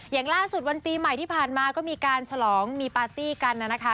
อย่างล่าสุดวันปีใหม่ที่ผ่านมาก็มีการฉลองมีปาร์ตี้กันนะคะ